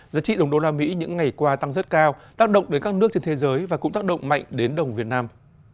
giá trị đồng đô la mỹ những ngày qua tăng rất cao tác động đến các nước trên thế giới và cũng tác động mạnh đến đồng việt nam